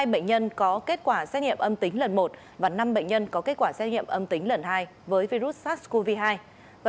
hai bệnh nhân có kết quả xét nghiệm âm tính lần một và năm bệnh nhân có kết quả xét nghiệm âm tính lần hai với virus sars cov hai